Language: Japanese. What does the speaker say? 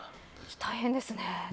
大変ですね。